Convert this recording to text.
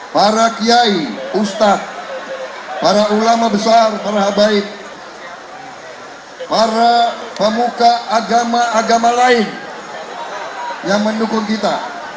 para kiai ustadz para ulama besar para habaib para pemuka agama agama lain yang mendukung kita